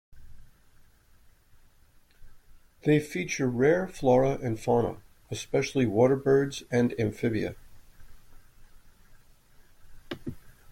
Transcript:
They feature rare flora and fauna, especially water birds and amphibia.